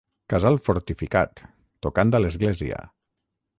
Casal fortificat, tocant a l'església.